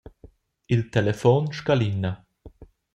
Il telefon scalina.